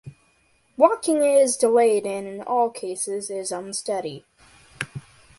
Walking is delayed and in all cases is unsteady.